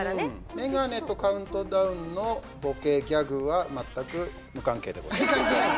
メガネとカウントダウンのボケ、ギャグは全く無関係でございます。